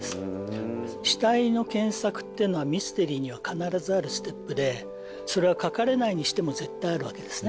死体の検索っていうのはミステリーには必ずあるステップでそれは書かれないにしても絶対あるわけですね。